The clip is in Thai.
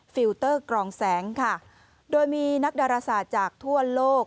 ฟิลเตอร์กรองแสงค่ะโดยมีนักดาราศาสตร์จากทั่วโลก